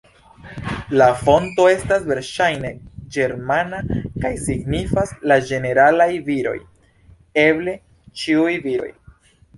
La fonto estas verŝajne ĝermana kaj signifas "la ĝeneralaj viroj", eble "ĉiuj viroj".